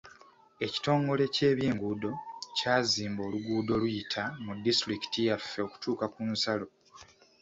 Ekitongole ky'ebyenguudo kyazimba oluguudo oluyita mu disitulikiti yaffe okutuuka ku nsalo.